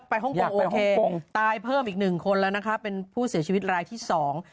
ฮ่องกงโอเคตายเพิ่มอีกหนึ่งคนแล้วนะคะเป็นผู้เสียชีวิตรายที่สอง